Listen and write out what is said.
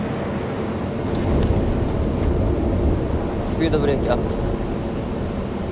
スピードブレーキアップ。